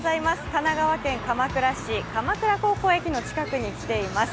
神奈川県鎌倉市、鎌倉高校駅の近くに来ています。